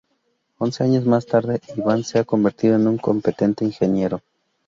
Once años más tarde, Iván se ha convertido en un competente ingeniero.